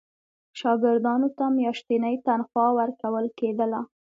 شاګردانو ته میاشتنی تنخوا ورکول کېدله.